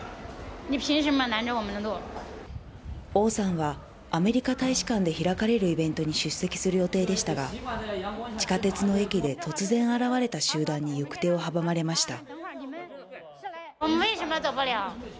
オウさんはアメリカ大使館で開かれるイベントに出席する予定でしたが、地下鉄の駅で突然現れた集団に行く手を阻まれました。